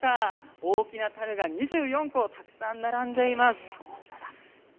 大きな酒だるが２４個、たくさん並んでいます。